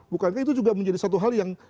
bukankah itu juga menjadi satu hal yang